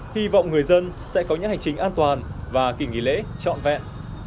hy vọng người dân sẽ có những hành trình an toàn và kỳ nghỉ lễ trọn vẹn